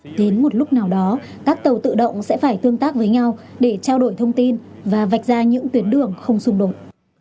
đến một lúc nào đó các tàu tự động sẽ phải tương tác với nhau để trao đổi thông tin và vạch ra những tuyến đường không xung đột